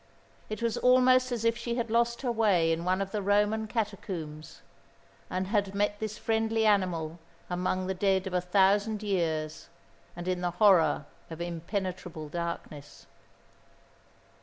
It was almost as if she had lost her way in one of the Roman catacombs, and had met this friendly animal among the dead of a thousand years, and in the horror of impenetrable darkness.